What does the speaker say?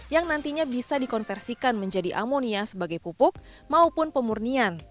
yang nantinya bisa dikonversikan menjadi amonia sebagai pupuk maupun pemurnian